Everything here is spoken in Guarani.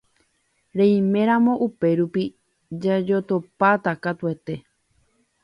Reiméramo upérupi jajotopáta katuete.